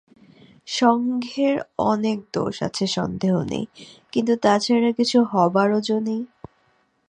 সঙ্ঘের অনেক দোষ আছে সন্দেহ নেই, কিন্তু তা ছাড়া কিছু হবারও যো নেই।